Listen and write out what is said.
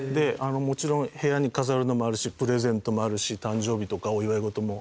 もちろん部屋に飾るのもあるしプレゼントもあるし誕生日とかお祝い事も。